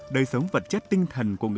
đời sống vật chất tinh thần của quốc gia